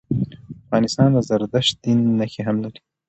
افغانستان د زردشت دین نښي هم لري.